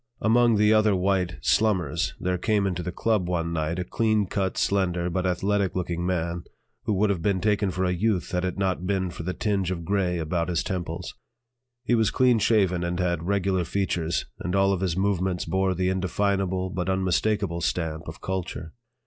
Among the other white "slummers" there came into the "Club" one night a clean cut, slender, but athletic looking man, who would have been taken for a youth had it not been for the tinge of gray about his temples. He was clean shaven and had regular features, and all of his movements bore the indefinable but unmistakable stamp of culture.